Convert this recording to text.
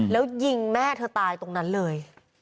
แล้วยิงแม่เธอตายตรงนั้นเลย